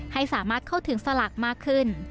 ให้สามารถเข้าถึงสลากมากขึ้น